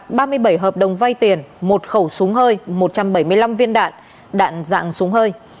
ba mươi bảy hợp đồng vay tiền một khẩu súng hơi một trăm bảy mươi năm viên đạn đạn dạng súng hơi